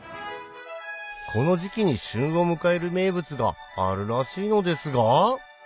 この時季に旬を迎える名物があるらしいのですが